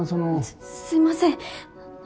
すすいません。